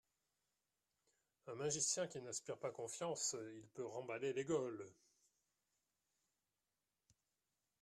Un magicien qui n’inspire pas confiance, il peut remballer les gaules